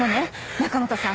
中本さん。